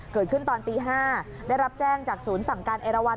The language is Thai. เกิดขึ้นตอนตี๕ได้รับแจ้งจากศูนย์สั่งการเอราวัน